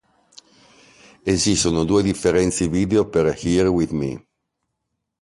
Esistono due differenti video per "Here with Me".